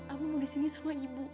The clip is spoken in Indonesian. aku mau disini sama ibu